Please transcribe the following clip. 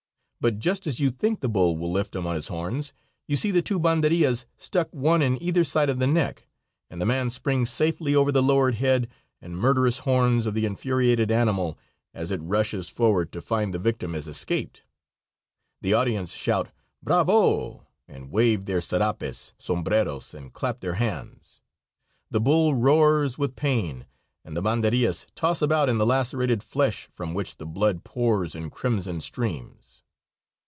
But just as you think the bull will lift him on his horns you see the two banderillas stuck one in either side of the neck, and the man springs safely over the lowered head and murderous horns of the infuriated animal, as it rushes forward to find the victim has escaped. The audience shout "bravo," and wave their serapes, sombreros and clap their hands. The bull roars with pain, and the banderillas toss about in the lacerated flesh, from which the blood pours in crimson streams.